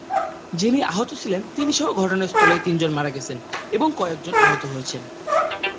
যিনি আহত ছিলেন তিনিসহ ঘটনাস্থলেই তিনজন মারা গেছেন এবং কয়েকজন আহত হয়েছেন।